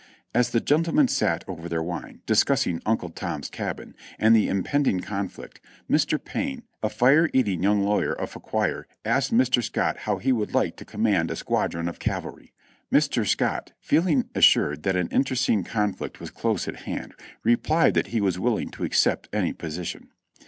As the gentlemen sat over their wine, discussing "Uncle Tom's Cabin" and the impending conflict, Mr. Payne, a fire eating young lawyer of Fauquier, asked Mr. Scott how he would like to com mand a squadron of cavalry. Mr. Scott, feeling assured that an internecine conflict was close at hand, replied that he was willing to accept any position.